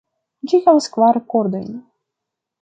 Ĝi havas kvar kordojn.